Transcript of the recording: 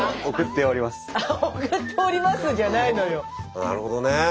僕はなるほどね。